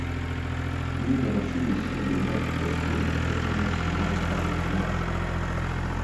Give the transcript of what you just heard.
Yize amashuri yisumbuye imyaka itatu atabura umunsi numwe cyangwa atinze.